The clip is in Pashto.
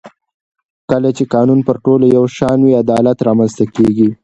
کله چې قانون پر ټولو یو شان وي عدالت رامنځته کېږي